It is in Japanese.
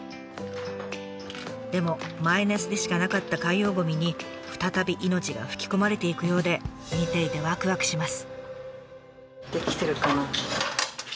でもマイナスでしかなかった海洋ゴミに再び命が吹き込まれていくようで見ていてわくわくします。